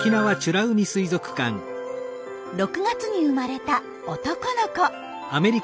６月に生まれた男の子。